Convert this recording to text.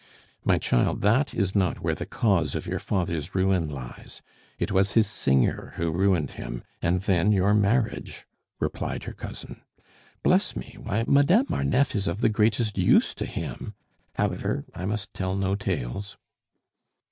"My child, that is not where the cause of your father's ruin lies. It was his singer who ruined him, and then your marriage!" replied her cousin. "Bless me! why, Madame Marneffe is of the greatest use to him. However, I must tell no tales."